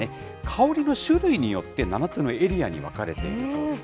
香りの種類によって、７つのエリアに分かれているそうです。